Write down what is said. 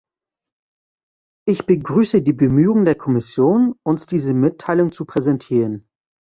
Ich begrüße die Bemühungen der Kommission, uns diese Mitteilung zu präsentieren.